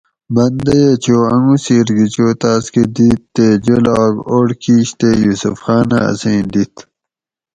بندئیہ چو انگوسیر گھی چو تاس کہ دیت تے جولاگ اڑ کیش تے یوسف خانہ اسیں دِیت